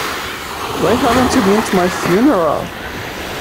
Why haven't you been to my funeral?